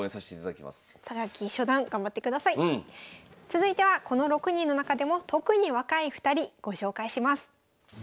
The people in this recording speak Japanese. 続いてはこの６人の中でも特に若い２人ご紹介します。